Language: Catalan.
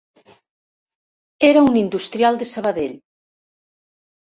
Era un industrial de Sabadell.